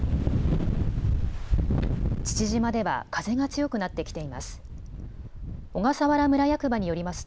父島では風が強くなってきています。